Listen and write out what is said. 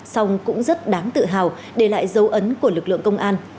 song cũng rất đáng tự hào để lại dấu ấn của lực lượng công an